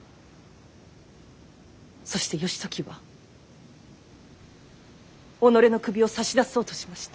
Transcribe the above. そして義時は己の首を差し出そうとしました。